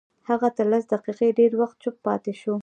هغه تر لس دقيقې ډېر وخت چوپ پاتې شو.